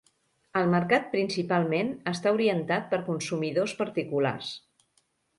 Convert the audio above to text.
El mercat principalment està orientat per consumidors particulars.